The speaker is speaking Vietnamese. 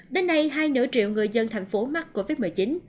đến nay hai nửa triệu người dân thành phố mắc covid một mươi chín